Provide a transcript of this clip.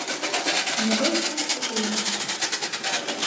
Могай шучко улмаш?